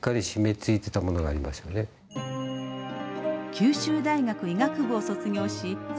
九州大学医学部を卒業し精神科医に。